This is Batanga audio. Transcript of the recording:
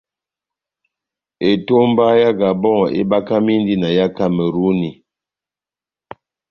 Etomba yá Gabon ebakamindi na yá Kameruni.